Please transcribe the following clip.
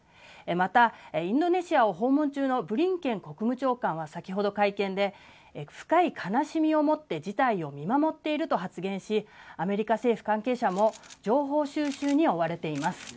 また、インドネシアを訪問中のブリンケン国務長官は先ほど会見で、深い悲しみをもって事態を見守っていると発言しアメリカ政府関係者も情報収集に追われています。